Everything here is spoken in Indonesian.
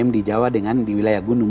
di jawa dengan di wilayah gunung